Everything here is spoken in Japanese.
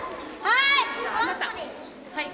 はい！